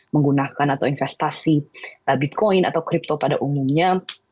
menggunakan atau investasi bitcoin atau crypto pada umumnya